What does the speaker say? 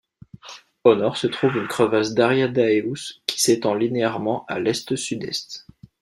Au nord se trouve une crevasse d'Ariadaeus qui s'étend linéairement à l'est-sud-est.